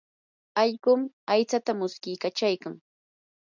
allqum aytsata muskiykachaykan.